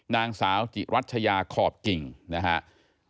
นางสาวจิรัชยาขอบกิ่งนะครับ